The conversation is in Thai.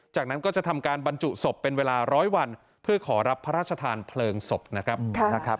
จากนั้นก็จะทำการบรรจุศพเป็นเวลาร้อยวันเพื่อขอรับพระราชทานเพลิงศพนะครับ